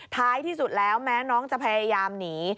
ท้ายที่สุดแล้วแม้น้องจะพยายามหนี